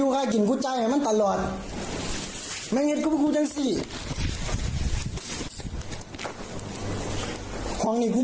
กูเอ็ดกูซัพพอร์ตมึงตลอดกูซ่อยมึงตลอดกูมีอย่างมึงซ่อยมึงตลอด